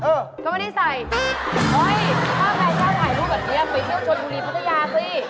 เฮ่ยถ้าแม่เจ้าถ่ายรูปแบบนี้ไปเที่ยวชนบุรีมัธยาสิ